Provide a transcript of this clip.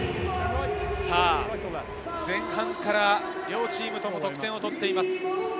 前半から両チームとも得点を取っています。